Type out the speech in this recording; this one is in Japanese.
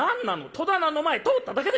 戸棚の前通っただけでしょ」。